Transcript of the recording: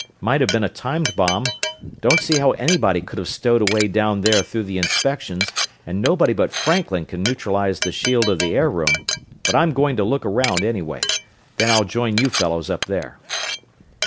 Might have been a timed bomb don't see how anybody could have stowed away down there through the inspections, and nobody but Franklin can neutralize the shield of the air room but I'm going to look around, anyway. Then I'll join you fellows up there."